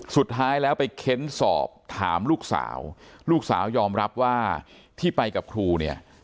สุดท้ายแล้วไปเค้นสอบถามลูกสาวลูกสาวยอมรับว่าที่ไปกับครูเนี่ย